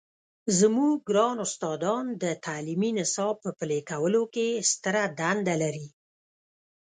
زموږ ګران استادان د تعلیمي نصاب په پلي کولو کې ستره دنده لري.